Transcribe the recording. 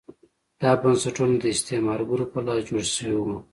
دا بنسټونه د استعمارګرو په لاس جوړ شوي وو.